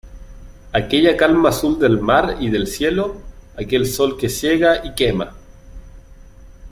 aquella calma azul del mar y del cielo, aquel sol que ciega y quema ,